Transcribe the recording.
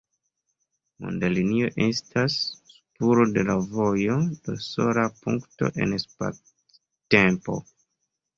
Monda linio estas spuro de la vojo de sola punkto en spactempo.